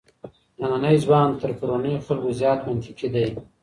نننی ځوان تر پرونيو خلګو زيات منطقي دی.